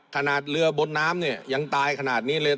ขนาดเรือบนน้ำเนี่ยยังตายขนาดนี้เลย